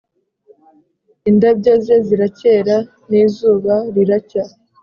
indabyo ze ziracyera, n'izuba riracya,